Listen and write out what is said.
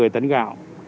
một mươi tấn gạo